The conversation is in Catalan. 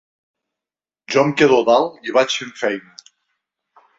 Jo em quedo a dalt i vaig fent feina.